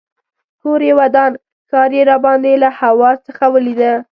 کور یې ودان ښار یې راباندې له هوا څخه ولیده.